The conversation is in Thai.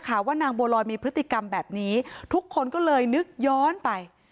ว่านางบัวลอยมีพฤติกรรมแบบนี้ทุกคนก็เลยนึกย้อนไป